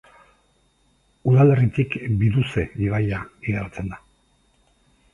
Udalerritik Biduze ibaia igarotzen da.